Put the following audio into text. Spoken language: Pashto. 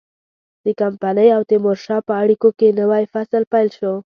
د کمپنۍ او تیمورشاه په اړیکو کې نوی فصل پیل شو.